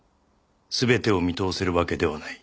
全てを見通せるわけではない。